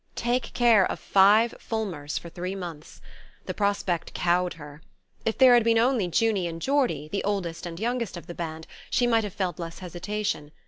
Take care of five Fulmers for three months! The prospect cowed her. If there had been only Junie and Geordie, the oldest and youngest of the band, she might have felt less hesitation.